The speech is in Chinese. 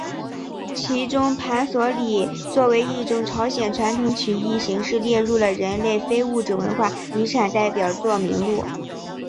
其中盘索里作为一种朝鲜传统曲艺形式列入了人类非物质文化遗产代表作名录。